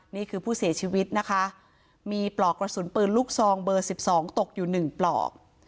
นี่คือผู้เสียชีวิตนะคะมีปลอกกระสุนปืนลูกซองเบอร์๑๒ตกอยู่๑ปลอก